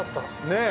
ねえ。